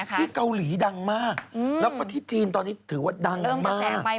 ที่เกาหลีดังมากแล้วก็ที่จีนตอนนี้ถือว่าดังมาก